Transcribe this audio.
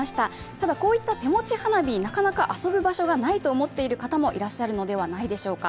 ただ、こういった手持ち花火、なかなか遊ぶ場所がないと思っている方、いらっしゃるのではないでしょうか。